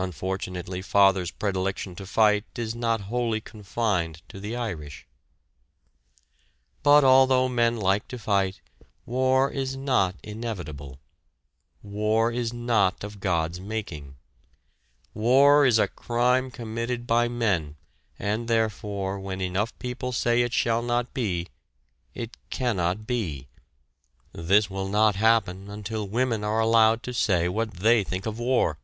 Unfortunately "father's" predilection to fight is not wholly confined to the Irish! But although men like to fight, war is not inevitable. War is not of God's making. War is a crime committed by men and, therefore, when enough people say it shall not be, it cannot be. This will not happen until women are allowed to say what they think of war.